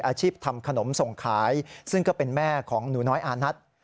อาชีพทำขนมส่งขายซึ่งก็เป็นแม่ของหนูน้อยอานัท